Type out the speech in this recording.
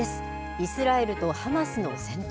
イスラエルとハマスの戦闘。